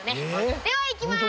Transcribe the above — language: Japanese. では行きます！